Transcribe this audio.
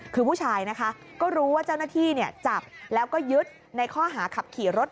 คือผู้ชายนะคะก็รู้ว่าเจ้าหน้าที่จับแล้วก็ยึดในข้อหาขับขี่รถ